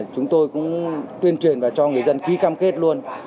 chúng tôi cũng tuyên truyền và cho người dân ký cam kết luôn